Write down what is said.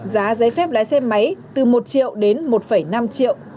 giá giấy phép lái xe máy từ một triệu đến một năm triệu